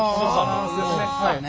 そうですよね。